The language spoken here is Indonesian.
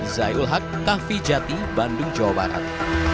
zai ul haq kahvi jati bandung jawa barat